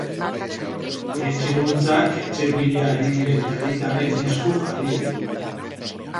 Etxe hutsak etxe bila ari diren herritarren esku jarri ditu.